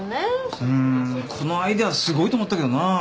うんこのアイデアすごいと思ったけどな。